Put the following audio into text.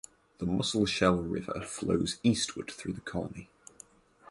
The Musselshell River flows eastward through the colony.